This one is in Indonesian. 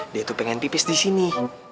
dia tuh pengen pipis disini